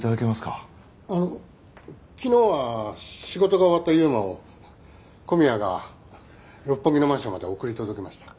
あの昨日は仕事が終わった悠真を小宮が六本木のマンションまで送り届けました。